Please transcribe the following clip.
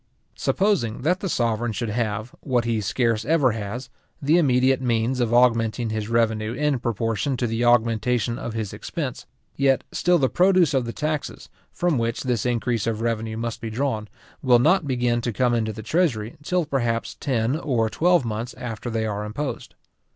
Supposing that the sovereign should have, what he scarce ever has, the immediate means of augmenting his revenue in proportion to the augmentation of his expense; yet still the produce of the taxes, from which this increase of revenue must be drawn, will not begin to come into the treasury, till perhaps ten or twelve months after they are imposed.